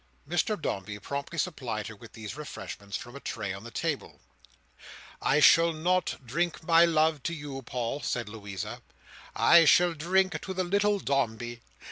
Mr Dombey promptly supplied her with these refreshments from a tray on the table. "I shall not drink my love to you, Paul," said Louisa: "I shall drink to the little Dombey.